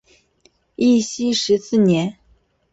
义熙十四年。